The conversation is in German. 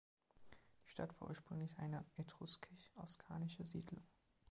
Die Stadt war ursprünglich eine etruskisch-oskanische Siedlung.